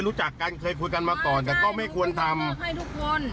รู้จักกันเคยคุยกันมาก่อนแต่ก็ไม่ควรทำให้ทุกคน